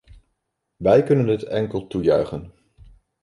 Wij kunnen dit enkel toejuichen.